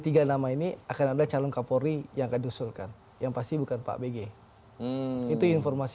tiga nama ini akan ada calon kapolri yang akan diusulkan yang pasti bukan pak bg itu informasi